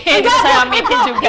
itu saya amitin juga